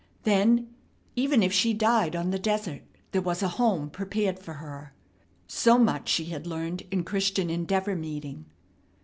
Then, even if she died on the desert, there was a home prepared for her. So much she had learned in Christian Endeavor meeting.